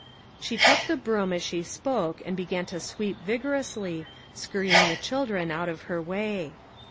She took the broom as she spoke and began to sweep vigorously, scurrying the children out of her way.